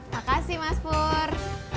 makasih mas pur